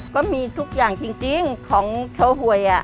ก็มีทุกอย่างจริงของโชว์หวย